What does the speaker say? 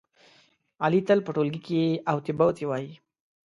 علي تل په ټولگي کې اوتې بوتې وایي.